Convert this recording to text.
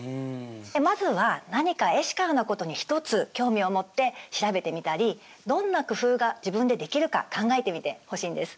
まずは何かエシカルなことに一つ興味を持って調べてみたりどんな工夫が自分でできるか考えてみてほしいんです。